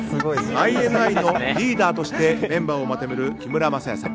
ＩＮＩのリーダーとしてメンバーをまとめる木村柾哉さん。